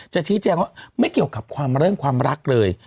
ชี้แจงว่าไม่เกี่ยวกับความเรื่องความรักเลย